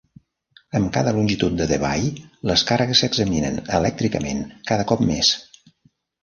Amb cada Longitud de Debye, les càrregues s"examinen elèctricament cada cop més.